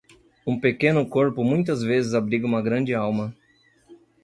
Um pequeno corpo muitas vezes abriga uma grande alma.